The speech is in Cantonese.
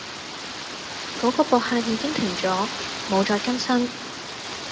嗰個博客已經停咗，冇再更新